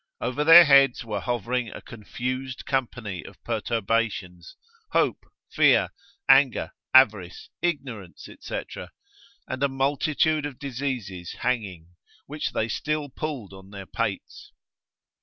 Over their heads were hovering a confused company of perturbations, hope, fear, anger, avarice, ignorance, &c., and a multitude of diseases hanging, which they still pulled on their pates.